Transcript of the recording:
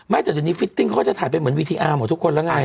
ไม่ใจตอนนี้ฟิตติ้งก็จะถ่ายเป็นเหมือนวิทีอาร์มของทุกคนแล้วไง